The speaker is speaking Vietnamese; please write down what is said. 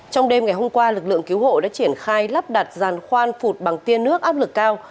trong đêm ngày hôm qua lực lượng cứu hộ đã triển khai lắp đặt dàn khoan phụt bằng tiên nước áp lực cao